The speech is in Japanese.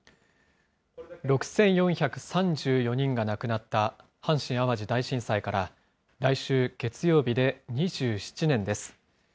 ６４３４人が亡くなった阪神・淡路大震災から、来週月曜日で２７年です。